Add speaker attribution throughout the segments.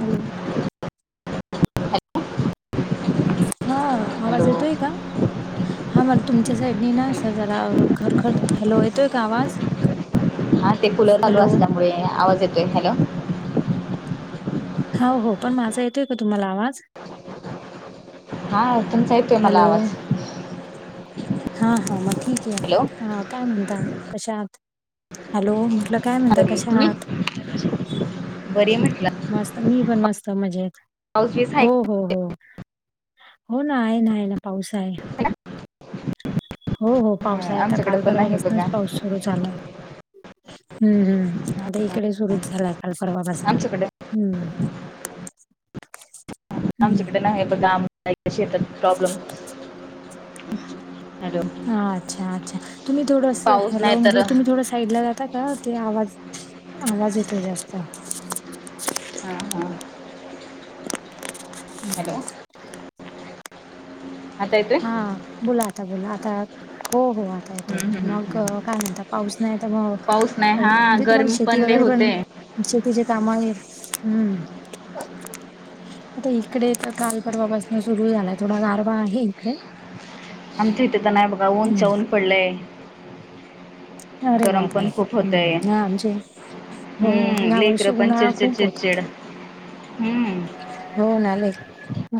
Speaker 1: Hello, हा,
Speaker 2: hello
Speaker 1: आवाज येतोय का? हा मला तुमच्या साईडनी ना, अस जरा खरखर,, हॅलो,, येतोय का आवाज? [inaudible]
Speaker 2: हा,, ते खुलं चालू
Speaker 1: हॅलो
Speaker 2: असल्यामुळे, आवाज येतोय, हॅलो,,
Speaker 1: हो हो,, पण माझा येतोय का तुम्हाला आवाज?
Speaker 2: हा, तुमचा ऐतोय.
Speaker 1: हॅलो, हा हा म ठीक
Speaker 2: हॅलो
Speaker 1: आहे. हा काय म्हणता? कशा आत? हॅलो,, म्हटलं. काय म्हणता
Speaker 2: बरी आहे,,
Speaker 1: कशा
Speaker 2: तुम्ही,,
Speaker 1: आहात
Speaker 2: बरी आहे मी
Speaker 1: मस्त,, मी पण मस्त, मजेत,
Speaker 2: पाऊस बीस आहे
Speaker 1: हो. हो हो, हो ना, आहे ना, आहे ना, पाऊस आहे.
Speaker 2: हाडं.
Speaker 1: हो हो पाऊस आहे,
Speaker 2: हा,
Speaker 1: आता
Speaker 2: आमच्याकडे पण
Speaker 1: कालपरवा
Speaker 2: नाही बघा
Speaker 1: पासूनच पाऊस सूरू झालाय, हम्म हम्म, आता इकडे सुरुच झालाय. कालपरवा पासन,
Speaker 2: आमच्याकडे
Speaker 1: हम्म. हम्म
Speaker 2: आमचेकडे नाहे बगा, आम नाही विषयत प्रॉब्लेम. हॅलो
Speaker 1: अ्छ, अच्छा, तुम्ही थोडं
Speaker 2: पाऊस
Speaker 1: हॅलो
Speaker 2: नाही तर
Speaker 1: म्हटलं, तुम्ही
Speaker 2: हा
Speaker 1: थोडं साईड ला जातात. का ते आवाज, आवाज येतोय जास्त
Speaker 2: हां हां,, हॅलो.
Speaker 1: हम्म.
Speaker 2: आता येतोय
Speaker 1: हा, बोला आता बोला, आता हो हो, आता येत
Speaker 2: हम्म हम्म
Speaker 1: आहे
Speaker 2: हम्म
Speaker 1: मग
Speaker 2: हम्म
Speaker 1: काय मनता, पाऊस नाही त्यामुळ
Speaker 2: पाऊस नाही हा
Speaker 1: म्हणजे तुम्हाला
Speaker 2: गरमी
Speaker 1: शेती
Speaker 2: लय
Speaker 1: वगैरे
Speaker 2: होते
Speaker 1: पण शेतीच्या काम,, हम्म. आता इकडे तर काल परवापासन सुरू झालाय थोडा गारवा आहे इकडे
Speaker 2: आम थं इथंताना बघा ऊन
Speaker 1: हम्म
Speaker 2: वन पडले.
Speaker 1: अरे
Speaker 2: गरम
Speaker 1: बापरे
Speaker 2: पण खूप
Speaker 1: हम्म
Speaker 2: होतय.
Speaker 1: नाही, आमचे हो
Speaker 2: हम्म
Speaker 1: या
Speaker 2: लेखर
Speaker 1: वर्षी
Speaker 2: पण
Speaker 1: उन्हाळा
Speaker 2: चिडचिड
Speaker 1: खूप
Speaker 2: चिडचिड हम्म
Speaker 1: होनले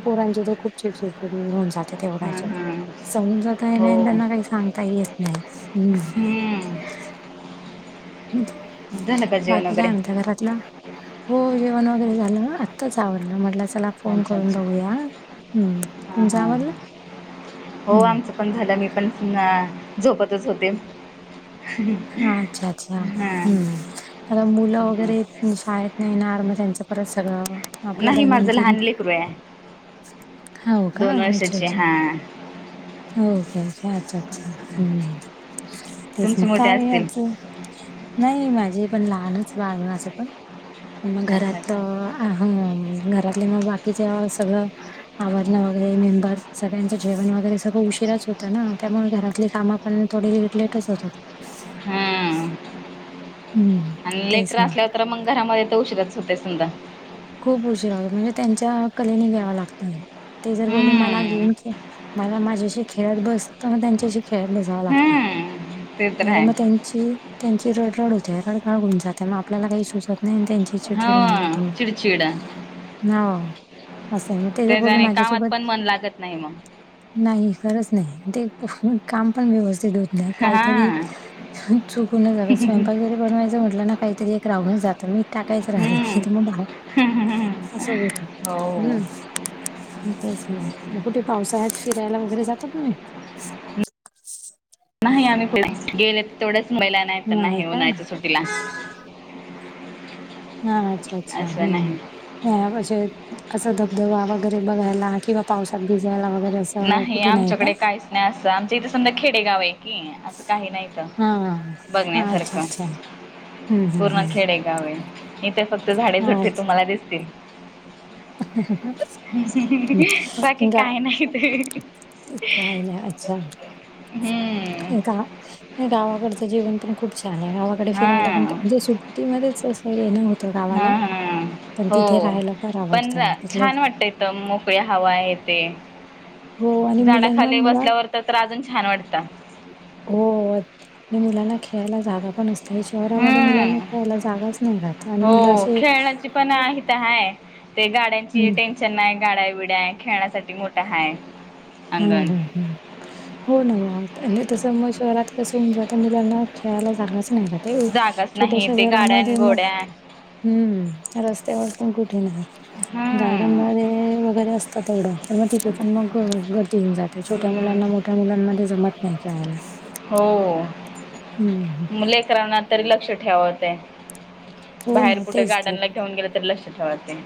Speaker 1: पोरांचे तर खूप चिडचिडचि होऊन जाते तेवघायच्या
Speaker 2: हम्म, हम्म.
Speaker 1: समजताही
Speaker 2: हो.
Speaker 1: नाही त्यांना काही सांगता हच नाही हम्.
Speaker 2: हम्म. झालं का जेवण
Speaker 1: बाकी
Speaker 2: वगैरे?
Speaker 1: काय म्हणत घरातलं हो जेवण वगैरे झालं आत्ताच आवडलं म्हटलं चला. फोन
Speaker 2: अच्छा
Speaker 1: करून
Speaker 2: अच्छा.
Speaker 1: बघूया ह्
Speaker 2: हां
Speaker 1: तुमच्या
Speaker 2: हां
Speaker 1: आवडला.
Speaker 2: हां. हो आमचं पण झालं मी पण झोपतच होते.
Speaker 1: ह अच्छा अच्छा
Speaker 2: हां.
Speaker 1: हम्म. आता मुलं
Speaker 2: हं.
Speaker 1: वगैरे शाळेत नाहीणार मग त्यांचं परत सगळं. आपलं
Speaker 2: नाही माझं
Speaker 1: दैनंदिन
Speaker 2: लहान लेकरू आहे.
Speaker 1: हा का
Speaker 2: दोन
Speaker 1: अच्छा
Speaker 2: वर्षाची
Speaker 1: अच्छा.
Speaker 2: हां.
Speaker 1: के के आ हम् तेच मग
Speaker 2: तुमची मोठे
Speaker 1: काय
Speaker 2: असतील?
Speaker 1: आच नाही माझे पण लहानच बाळ आहे माझं पण मग
Speaker 2: अच्छा अच्छा.
Speaker 1: घरातलं ग बा सळ आण वरेंबर सग्यांचं जेवण वरे. सगळं उशिराच होत ना त्यामुळे घरातले काम आपण थोडे लेट लेटच होत.
Speaker 2: हम्म
Speaker 1: हम्म
Speaker 2: आणि
Speaker 1: तेच
Speaker 2: लेकर
Speaker 1: ना
Speaker 2: असल्यावर तर मग घरामध्ये तर उशीिरच होते समधा.
Speaker 1: खूप उशीराहतो म्हणजे त्यांच्या कलेने घ्याव लागतं. ते जर बोलले मला
Speaker 2: हम्म.
Speaker 1: घेऊन मला माझ्याशी खेळत बसतं म त्यांच्याशी खेळत बसत.
Speaker 2: हम्म. ते तर आहे.
Speaker 1: मग त्यांची रड रड होते रडगळ गन जाते मग आपल्याला काही सुजत नाही त्यां
Speaker 2: हा चिडचिड.
Speaker 1: ह म स म.
Speaker 2: ते जाणे कामात पण मन लागत नाही मग
Speaker 1: नाही खरंच नाही ते काम पण व्यवस्थित होत नाही
Speaker 2: हा
Speaker 1: काहीतरी चुकूनच जावं स्वंपाक वगैरे बनवायचं म्हटलं ना काहीतरी एक राहूनच जातं मी टाकायच राहत
Speaker 2: हम्म
Speaker 1: नाही मग बा. असस बत
Speaker 2: हो
Speaker 1: हम्म. तेच ना कुठे पावसाळ्यात फिरायला वगैरे जाता तुम्ही
Speaker 2: नाही आम्ही गेले तेवढ्याच महिला नाही तर नाही उनयच सुटीला.
Speaker 1: हा अच्छा अच्छा
Speaker 2: असं
Speaker 1: हम्.
Speaker 2: नाही
Speaker 1: हे असा धबधबा वगैरे बघायला किंवा पावसात भिजवायला वगैरे अस
Speaker 2: नाही आमच्याकडे काहीच नाही असं आमच इथे समजा खेडेगाव आहे की असं काही नाहीत.
Speaker 1: हां,
Speaker 2: भगण्या सारख.
Speaker 1: हम्म हम्म हम्.
Speaker 2: इथे फक्त झाडे झुटे तुम्हाला दिसतील.
Speaker 1: ह ह ह
Speaker 2: बाकी
Speaker 1: इका
Speaker 2: काय नाही ते
Speaker 1: काय नाही अच्छा.
Speaker 2: हम्म
Speaker 1: इका. गावाकडचं जेवन पण खूप छान आहे गावाकडे
Speaker 2: हा
Speaker 1: फिरायला पण म्हणजे सुट्टीमध्येध्येच असं येणत.
Speaker 2: हम हम हो
Speaker 1: फार
Speaker 2: पण.
Speaker 1: आवडतं.
Speaker 2: जा
Speaker 1: तिथलं
Speaker 2: छान वाटतंयथ मोकळ्या हवा आहे ते.
Speaker 1: हो आणि मुलांना
Speaker 2: झाडाखाली
Speaker 1: मुळात
Speaker 2: बसल्यावर तर तर अजून छान वाटत.
Speaker 1: हो आणि मुलांना खेळायला जागा पण असते. शहरामध्ये मुलांना
Speaker 2: हम्म
Speaker 1: खेळायला जागाच नाही राहत आणि
Speaker 2: हो
Speaker 1: मुलं असे.
Speaker 2: खेळण्याची पण आहे तर ह. ते गाड्यांची
Speaker 1: हं,
Speaker 2: टेन्शन नाही गाड्या बड्या खेळण्यासाठी मोठा हाय.
Speaker 1: हम्म
Speaker 2: अंगण.
Speaker 1: हम् हम्. हो ना म तसं मग शहरात कसं होऊन जाऊता मुलांना खेळायला जागाच.
Speaker 2: जागाच नाही
Speaker 1: छोट्याश्या
Speaker 2: ते गाड्या
Speaker 1: घरामध्ये
Speaker 2: अन
Speaker 1: मग
Speaker 2: गोड्या
Speaker 1: हम् रस्त्यावर प ग्डन
Speaker 2: हम्म.
Speaker 1: वर असतातवग त होऊनात. ते छोट्या
Speaker 2: हम्म
Speaker 1: मुलांना मोठ्या मुलांमध्ये जमत नाही खेळायला हम्.
Speaker 2: मुलेकरणात. तरी लक्ष ठेवाते
Speaker 1: हो
Speaker 2: बाहेर
Speaker 1: ना
Speaker 2: कुठे
Speaker 1: तेच तर.
Speaker 2: गार्डनला घेऊन गेलं तरी लक्ष ठेवाते.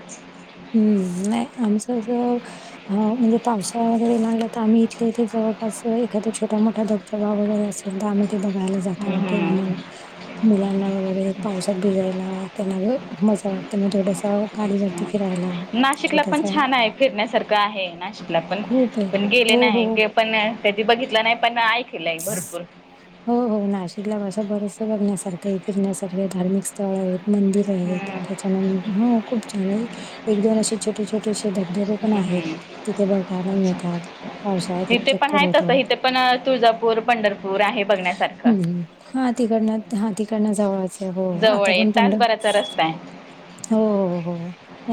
Speaker 1: हम्म नाही आमचं ज ह म्हणजे पावसाळा वगैरे लागला तर आम्ही इथले इथे जवळपास एखादा छोटा मोठा धबधबा वगैरे असत. आम्ही ते बघायला
Speaker 2: हम्म
Speaker 1: जातो
Speaker 2: हम्म.
Speaker 1: किंवा मग. मुलांना वगैरे पावसात भिजायला त्यांना मजा वाटते मग थोडस गाडी भरती.
Speaker 2: नाशिकला पण छान आहे फिरण्यासारखं आहे नाशिकला पण
Speaker 1: खूप आहे.
Speaker 2: पण गेले
Speaker 1: हो, हो.
Speaker 2: नाही. पण त्याधी बघितलं नाही पण ऐकलंय भरपूर.
Speaker 1: हो हो नाशिकला भाषा बरच बघण्यासारखे फिरण्यासारखे धार्मिक. स्थळ आहेत मंदिर आहेत
Speaker 2: हम्म.
Speaker 1: त्याच्या हो खूप छान आहे. एक दोन असे छोटे छोटे असे धबधबे पण
Speaker 2: हम्म
Speaker 1: आहेत.
Speaker 2: हम्म.
Speaker 1: तिथे बघायला मिळतात पावसाळ्यात एक
Speaker 2: इथे पण
Speaker 1: चक्कर
Speaker 2: आहे
Speaker 1: होत.
Speaker 2: तसं इथे पण तुळजापूर पंढरपूर आहे बघण्यासारखं.
Speaker 1: हम्म हा तिकडन हा तिकडन जावचं हो
Speaker 2: जवळ
Speaker 1: आता
Speaker 2: आहे
Speaker 1: पण पणड
Speaker 2: तासभराचा रस्ता आहे
Speaker 1: हो हो हो.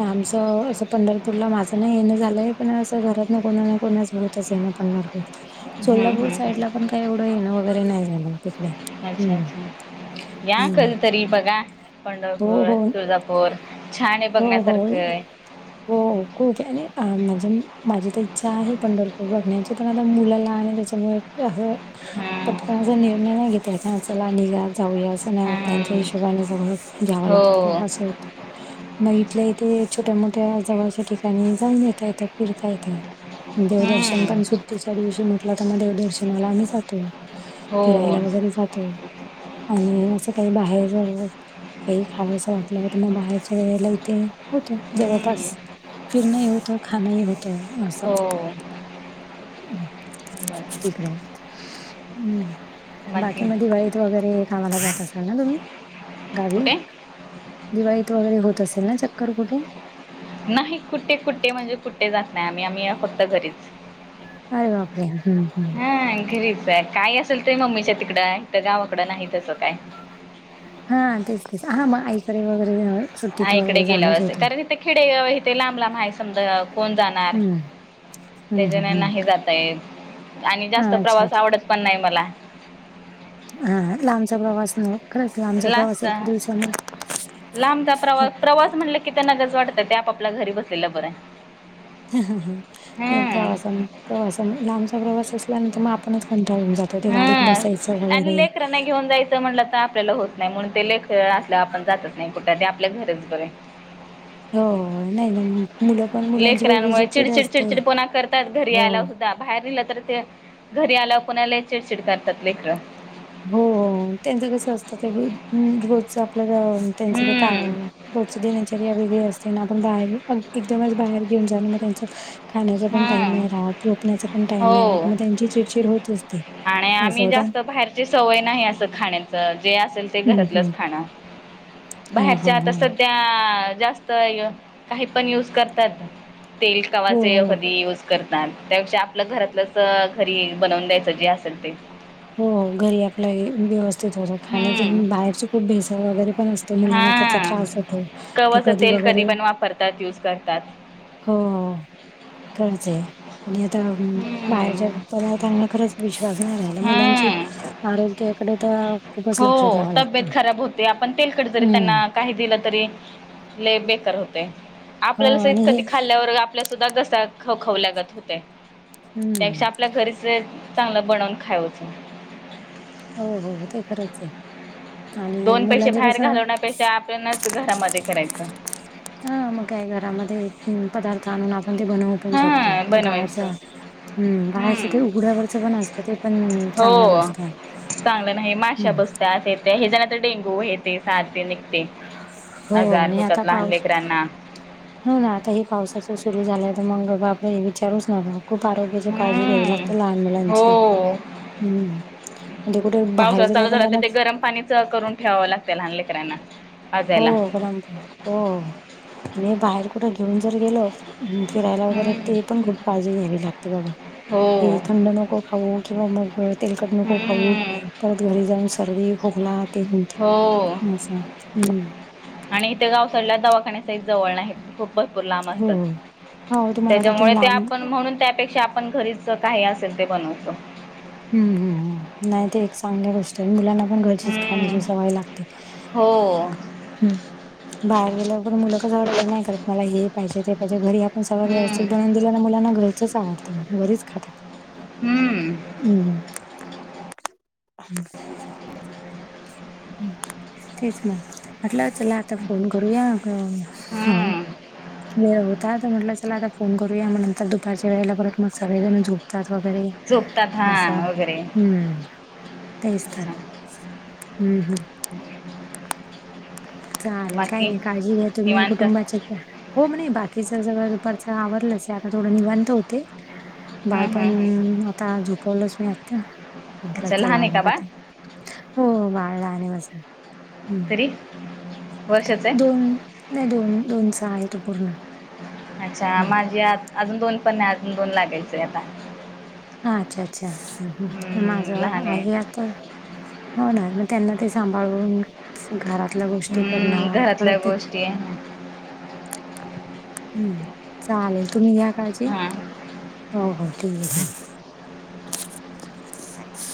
Speaker 1: आमचं असं पंढरपूरला माझं नाही येणं झालंय पण असं घरात ना कोणा ना कोणाचं. ये ना पंढरपूर
Speaker 2: हम्म,
Speaker 1: सोलापूर
Speaker 2: हम्म,
Speaker 1: साईड ला
Speaker 2: हम्म.
Speaker 1: पण काही एवढं येणं वगैरे नाही झालं तिकडे.
Speaker 2: अच्छा
Speaker 1: हम्म
Speaker 2: अच्छा या क
Speaker 1: हम्म
Speaker 2: तरी बघ.
Speaker 1: हो
Speaker 2: पंढरपूर
Speaker 1: हो
Speaker 2: तुळजापूर छाान
Speaker 1: हो
Speaker 2: बघण्यासारखं.
Speaker 1: [inaudible] हो खूप आणि म्हणजे माझी तर इच्छा आहे पंढरपूर बघण्याची पण आता मुलाला आणि त्याच्यामुळे.
Speaker 2: हम्म,
Speaker 1: पटकनाचा निर्णय नाही घेता य चला निघा जाऊया असं नाही होतं त्यांच्या
Speaker 2: हम्म.
Speaker 1: हश. ला सगळं घ्यावं लागत
Speaker 2: हो
Speaker 1: असं होतं. मग इथल्या इथे छोट्या मोठ्या जवळच्या ठिकाणी जाऊन येता येतं फिरता येतं. देवदर्शन
Speaker 2: हम्म,
Speaker 1: पण सुट्टीच्या दिवशी म्हटलं तर मग देवदर्शनाला आम्ही जातो.
Speaker 2: हो
Speaker 1: फिरायला वगैरे जातो आणि असं काही बाहेर. हमं काही खावं असं वाटलं तर मग बाहेरच्या वेळेला इथे होत
Speaker 2: हम्म,
Speaker 1: जवळपास फिरणं ही होतं आणि खाणंही होतं असं.
Speaker 2: हो
Speaker 1: हमं
Speaker 2: बरं.
Speaker 1: ठीक राहय हम् बाकी मग दिवाळीत वगैरे हे कामाला जात असाल ना तुम्ही गावी?
Speaker 2: कुठे
Speaker 1: दिवाळीत वगैरे होत असेल ना चक्कर कुठे?
Speaker 2: नाही कुठे, कुठे, म्हणजे कुठे, जात नाही आम्ही, आम्ही फक्त घरीच.
Speaker 1: अरे बापरे! ! हम्म हम्म
Speaker 2: ह घरीच आहे काय असेल ते मम्मीच्या तिकडं इथं गावाकडं नाही तसं काय?
Speaker 1: हा तेच ना, तेच हा मग आईकडे वगैरे, सुट्टीत
Speaker 2: आई कडे
Speaker 1: वगैरे
Speaker 2: गेल्यावर
Speaker 1: जाणंच
Speaker 2: अस
Speaker 1: होतं.
Speaker 2: कारण इथे खेडेगाव आहे. इथे लांब लांब आहे सगळं कोण जाणार.
Speaker 1: हं, हं, हं,
Speaker 2: त्याच्याने
Speaker 1: हं.
Speaker 2: नाही जाता येत आणि जास्त
Speaker 1: हां, अच्छा,
Speaker 2: प्रवास
Speaker 1: अच्छा.
Speaker 2: आवडत पण नाही मला.
Speaker 1: हा लांबचा प्रवास न खरंच लांबचा प्रवास
Speaker 2: लास्ट
Speaker 1: एका दिवसामध्ये
Speaker 2: लांबचा प्रवास प्रवास म्हटले ते त्यांना नगच वाटत ते आपापल्या घरी बसलेलं बर आहे.
Speaker 1: हं हं नाही
Speaker 2: हम्म
Speaker 1: प्रवासन प्रवास लांबचा प्रवास असल्यानंतर मग आपणच पण कंटाळून जातो ते गाडीत बसायचं वगैरे
Speaker 2: तस म्हटलं तर आपल्याला होत नाही म्हणून ते लेख असल्या आपण जातच नाही कुठे ते आपल्या घरीच बरय.
Speaker 1: हो नाही नाही मुलं पण मुलांची वेगळी
Speaker 2: लेकरांमुळे चिडचिड
Speaker 1: असते.
Speaker 2: चिडचिडपणा करतात घरी
Speaker 1: हो,
Speaker 2: आला बाहेर नेलं तर ते घरी आल्या पुन्हा लय चिडचिड करतात लेकरं.
Speaker 1: हो... त्यांचं कसं असतं रोजचं आप आपल त्यांच
Speaker 2: हम्म
Speaker 1: कायम [unintelligible] देण्याच वेगळी असते आपण बाहेर एकदमच बाहेर घेऊन जा मग त्यांच. खाण्याचा पण टाईम
Speaker 2: हम्म
Speaker 1: नाही राहत झोपण्याचा पण टाईम नाही राहत
Speaker 2: हो
Speaker 1: मग त्यांची चिडचिड होतच असते.
Speaker 2: आणि आम्ही जास्त ती सवय नाही अस खाण्याच जे असेल ते
Speaker 1: हं,
Speaker 2: घरातलंच
Speaker 1: हं.
Speaker 2: खाणं
Speaker 1: हां, हां,
Speaker 2: बाहेरच्या आता
Speaker 1: हां.
Speaker 2: सद त्या जास्त काहीय पण युज करतात तेल कां
Speaker 1: हो,
Speaker 2: ते
Speaker 1: हो.
Speaker 2: कधी युज करतात त्यापेक्षा आपलं घरातलंच घरी बनवून द्यायचं जे असेल ते.
Speaker 1: हो घरी आपलं व्यवस्थित होत खाण्याचे
Speaker 2: हम्म
Speaker 1: पण बाहेरचे खूप भेसळ वगैरे पण असत. तो मुलांना त्याचा
Speaker 2: हा
Speaker 1: त्रास होतो ते
Speaker 2: कवाचं
Speaker 1: कधी
Speaker 2: तेल
Speaker 1: वगैरे
Speaker 2: पण वापरतात यूज करतात
Speaker 1: हो हो. खरंच आहे आणि आता
Speaker 2: हम्म
Speaker 1: बाहेरच्या पदार्थांवर खरंच विश्वास नाही राहिला. मुलांची
Speaker 2: हम्म
Speaker 1: आरोग्याकडे तर खूपच
Speaker 2: हो
Speaker 1: लक्ष द्याव लागत.
Speaker 2: तब्येत खराब होते आपण तेलकट जरी त्यांना काही दिलं तरी लई बेकार होतय.
Speaker 1: हो
Speaker 2: आपल्यालासइत
Speaker 1: आणि हे
Speaker 2: कंधी खाल्ल्यावर आपला सुद्धा घसा खव खवल्यागत होतय
Speaker 1: हम्म
Speaker 2: त्यापेक्षा आपल्या घरीच चांगलं बनवून खायवच.
Speaker 1: हो हो ते खरंच आहे. आणि
Speaker 2: दोन पैसे
Speaker 1: मुलांचे
Speaker 2: बाहेर
Speaker 1: कसं
Speaker 2: घालवण्या पेक्षा आपणच घरामध्ये करायच.
Speaker 1: हा मग काय घरामध्ये पदार्थ आणून आपण ते बनवू पण शकतो
Speaker 2: हा
Speaker 1: ते बाहेरच
Speaker 2: बनवायचं
Speaker 1: हम् बाहेरच ते
Speaker 2: हम्म
Speaker 1: उघड्यावरच पण असतं ते पण चांगलं
Speaker 2: हो
Speaker 1: नसतं.
Speaker 2: [inaudible] चांगलं नाही माशा
Speaker 1: हं.
Speaker 2: बसत्यात हे हयाच्या तर डेंगू ते साथ निघते
Speaker 1: हो
Speaker 2: आजार
Speaker 1: आणि आता
Speaker 2: होतात लहान
Speaker 1: पाऊस
Speaker 2: लेकरांना.
Speaker 1: हो ना आता हे पावसाचं सुरू झालंय तर मग बापरे हे विचारूच नकां. खूप आरोग्याची काळजी घ्यावी
Speaker 2: हम्म
Speaker 1: लागते लहान मुलांची.
Speaker 2: हो
Speaker 1: हम्म म्हणजे कुठे बाहेर जरी आपण त्यांना
Speaker 2: सगळं करून ठेवावं लागतं लहानलेकरांना
Speaker 1: हो हो आणि बाहेर कुठं घेऊन जर गेलो ह फिरायला वगैरे
Speaker 2: हम्म
Speaker 1: ते पण खूप काळजी घ्यावी लागते बाबा!
Speaker 2: हो
Speaker 1: हे थंड नक को खाऊ किंवा मग तलकट नको खाऊ
Speaker 2: हम्म
Speaker 1: परत घरी जाऊन सर्दी खोकला ते होत
Speaker 2: हो..
Speaker 1: असं हम्म
Speaker 2: आणि इथे गावसाडला दवाखान्यासहीत जवळ नाही खूप भरपूर लांब
Speaker 1: हो
Speaker 2: असतात
Speaker 1: हो तुम्हाला तिथून
Speaker 2: त्याच्यामुळे ते
Speaker 1: लांब
Speaker 2: आपण म्हणून त्यापेक्षा आपण घरीच काही असेल ते बनवतो.
Speaker 1: हूं हू हूं नाही ते एक चांगली गोष्ट तेनी मुलांना पण घरचीच खाण्याची
Speaker 2: हम्म
Speaker 1: सवय लागते.
Speaker 2: हो
Speaker 1: हूं बाहेर गेल्यावरगर मुलं कस वाटत नाही करत मला हे पाहिजे ते पाहिजे घरी आपण सगळं
Speaker 2: हम्म
Speaker 1: व्यवस्थित बनवून दिलन मुलांना घरच आवडत घरीच खातात.
Speaker 2: हूं.
Speaker 1: हम्. हं तेच ना म्हटलं चला आता फोन करूया. अ हा.
Speaker 2: हम्म
Speaker 1: व होता तर म्हटलं चला आता फोन करूया मग नंतर दुपारच्या वेळेला परत मग सगळेजण जो त्रास वगैरे
Speaker 2: झोपतात
Speaker 1: असं
Speaker 2: हा वगैरे
Speaker 1: हम्म. तेच तर
Speaker 2: अच्छा
Speaker 1: हूं हूं.
Speaker 2: [unintelligible]
Speaker 1: चालेल काही
Speaker 2: बाकी
Speaker 1: नाही काळजी घ्या तुम्ही
Speaker 2: निवांत
Speaker 1: कुटुंबाची. हो म नाही बाकीच सगळं दुपारच आवरलंच आता थोडं निवांत होती.
Speaker 2: हम्म
Speaker 1: बाळपण
Speaker 2: हम्म हम्म
Speaker 1: आता झुपवलंच नाही आता म्हटलं
Speaker 2: अच्छा लहान
Speaker 1: चला
Speaker 2: आहे का
Speaker 1: मघ
Speaker 2: बाळ
Speaker 1: आता. हो बाळ आणि
Speaker 2: [unintelligible] आहे
Speaker 1: दोन नाही दोन दोनचा आहे तो पूर्ण.
Speaker 2: अच्छा
Speaker 1: हम्म
Speaker 2: माझी आज अजून दोन पण नाही अजून दोन लागायचेय आता.
Speaker 1: हा अच्छा अच्छा हूं हूं माझा
Speaker 2: हम्म लहान आहे
Speaker 1: बायात प होणार मग त्यांना ते सांभाळून. घरातल्या गोष्टी करण
Speaker 2: हम्म
Speaker 1: परत
Speaker 2: घरातल्या
Speaker 1: ते.
Speaker 2: गोष्टी
Speaker 1: हम्म, चालेल तुम्ही घ्या. हजी
Speaker 2: हा
Speaker 1: हो हो ठीक आहेक.